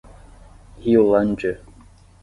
Riolândia